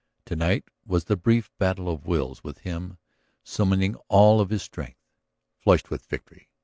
To night was the brief battle of wills, with him summoning all of his strength, flushed with victory.